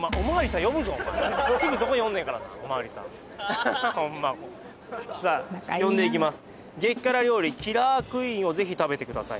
すぐそこにおんねんからなお巡りさんさあ読んでいきます